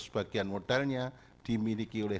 sebagian modalnya dimiliki oleh